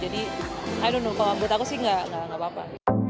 jadi i don't know kalau buat aku sih gak apa apa